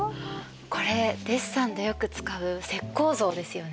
これデッサンでよく使う石こう像ですよね？